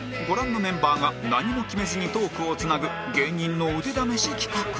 ご覧のメンバーが何も決めずにトークをつなぐ芸人の腕試し企画